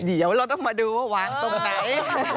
เดี๋ยวเราต้องมาดูว่าวางตรงไหน